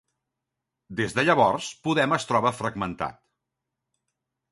Des de llavors, Podem es troba fragmentat.